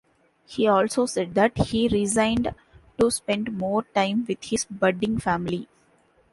He also said that he resigned to spend more time with his budding family.